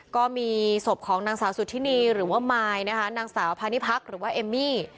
ก็มีศพของนางสาวสุธินีหรือว่ามายนะคะนางสาวพานิพักษ์หรือว่าเอมมี่